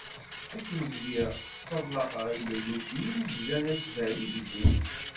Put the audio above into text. Akken bdiɣ ttaḍlaqeɣ i yilellucen-iw bdan asberri deg-i.